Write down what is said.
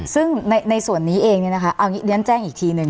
ซึ่งในส่วนนี้เองเนี่ยนะคะเอาอย่างนี้เรียนแจ้งอีกทีหนึ่ง